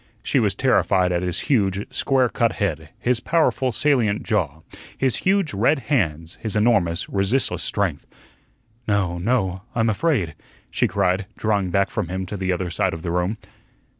She was terrified at his huge, square cut head; his powerful, salient jaw; his huge, red hands; his enormous, resistless strength. "No, no I'm afraid," she cried, drawing back from him to the other side of the room.